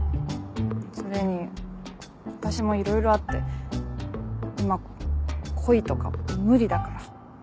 それに私もいろいろあって今恋とか無理だから。